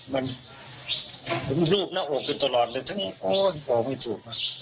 มันผมรูปหน้าอกกันตลอดเลยทั้งออกไม่ถูก